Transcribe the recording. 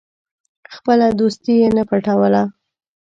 خپله دوستي یې نه پټوله.